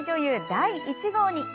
第１号に。